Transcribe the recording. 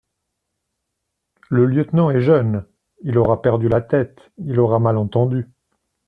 Le lieutenant est jeune ; il aura perdu la tête, il aura mal entendu.